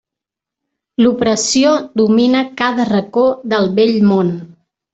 L'opressió domina cada racó del vell món.